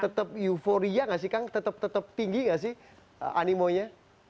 tetap euforia gak sih kang tetap tinggi nggak sih animonya